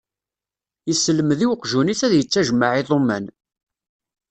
Yesselmed i uqjun-is ad yettajmaɛ iḍumman.